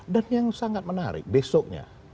dan yang sangat menarik besoknya